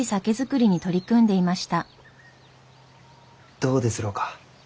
どうですろうか？